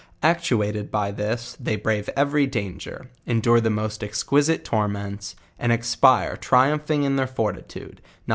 Actuated by this, they brave every danger, en (lure the most exquisite torment?, and expire triumphing in their fortitude, not